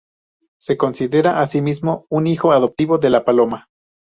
Se considera a sí mismo un hijo adoptivo de La Paloma.